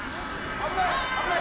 危ない！